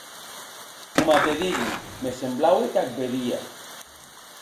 Coma te digui, me semblaue qu’ac vedia.